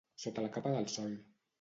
Sota la capa del sol.